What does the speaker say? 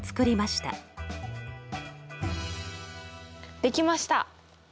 できました！